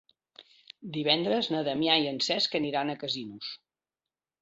Divendres na Damià i en Cesc aniran a Casinos.